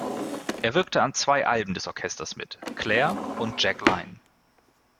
Er wirkte an zwei Alben des Orchesters mit: "Claire" und "Jack-Line".